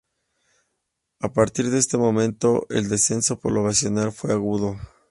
A partir de ese momento, el descenso poblacional fue agudo.